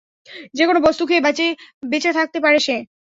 যেকোনো বস্তু খেয়ে বেঁচে থাকতে পারে সে।